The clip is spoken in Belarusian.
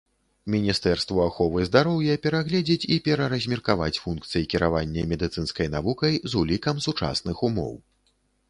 Міністэрству аховы здароўя перагледзець і пераразмеркаваць функцыі кіравання медыцынскай навукай з улікам сучасных умоў.